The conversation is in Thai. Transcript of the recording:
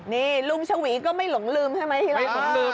นี่ลุงเฉาหวีก็ไม่หลงลืมใช่ไหมครับ